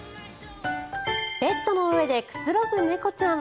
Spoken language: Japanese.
ベッドの上でくつろぐ猫ちゃん。